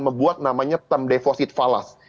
membuat namanya term deposit falas